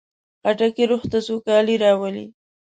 خټکی روح ته سوکالي راولي.